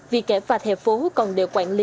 vì kẻ phạt hệ phố còn đều quản lý